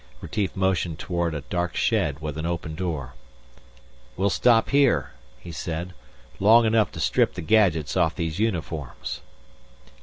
Retief motioned toward a dark shed with an open door. "We'll stop here," he said, "long enough to strip the gadgets off these uniforms."